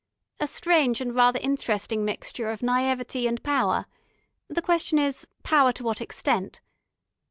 "A strange and rather interesting mixture of naïveté and power. The question is power to what extent?